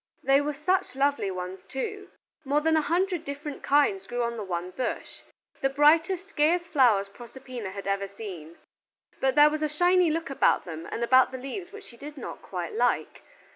They were such lovely ones too. More than a hundred different kinds grew on the one bush: the brightest, gayest flowers Proserpina had ever seen. But there was a shiny look about them and about the leaves which she did not quite like.